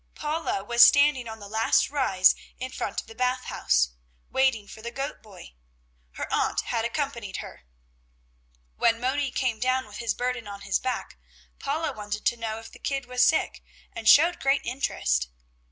Paula was standing on the last rise in front of the Bath House, waiting for the goat boy. Her aunt had accompanied her. When Moni came down with his burden on his back, Paula wanted to know if the kid was sick, and showed great interest.